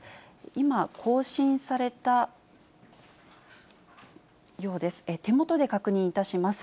今、更新されたようです。